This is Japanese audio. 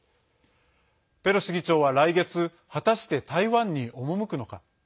ペロシ議長は来月果たして、台湾に赴くのか。